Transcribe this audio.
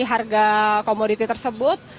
harga komoditi tersebut